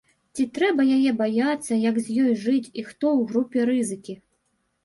Ці трэба яе баяцца, як з ёй жыць і хто ў групе рызыкі.